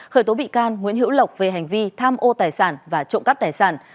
khởi tố bị can nguyễn hữu lộc về hành vi tham ô tài sản và trộm cắp tài sản